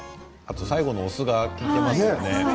最後のお酢も利いていますね。